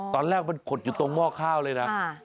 ตอนแรกมันขดอยู่ตรงหม้อข้าวเลยนะ